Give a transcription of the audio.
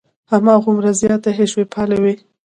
هماغومره زیاتې حشوي پالې وې.